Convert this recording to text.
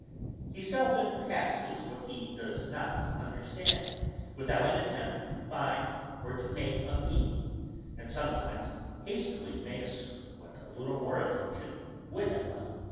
He seldom passes what he does not understand, without an attempt to find or to make a meaning, and sometimes hastily makes what a little more attention would have found.